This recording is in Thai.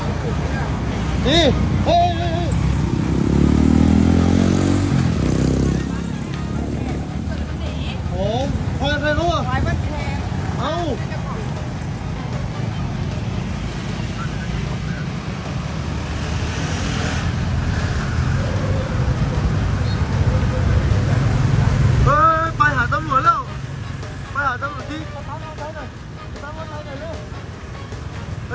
อยู่ที่ตุลาดอุ้ยจำได้เอาเอาเชี่ยวผูกไว้หน่อยดิ